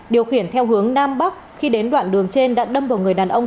điều khiển theo hướng nam bắc khi đến đoạn đường trên đã đâm vào người đàn ông